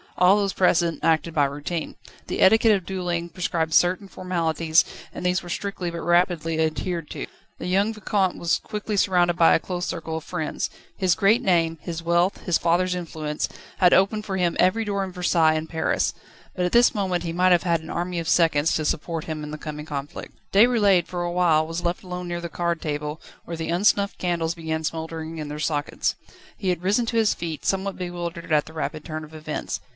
All those present acted by routine. The etiquette of duelling prescribed certain formalities, and these were strictly but rapidly adhered to. The young Vicomte was quickly surrounded by a close circle of friends. His great name, his wealth, his father's influence, had opened for him every door in Versailles and Paris. At this moment he might have had an army of seconds to support him in the coming conflict. Déroulède for a while was left alone near the card table, where the unsnuffed candles began smouldering in their sockets. He had risen to his feet, somewhat bewildered at the rapid turn of events.